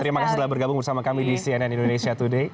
terima kasih telah bergabung bersama kami di cnn indonesia today